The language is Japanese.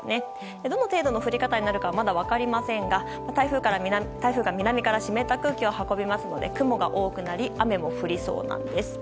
どの程度の降り方になるかはまだ分かりませんが台風が南から湿った空気を運んできますので雲が多くなり、雨も降りそうです。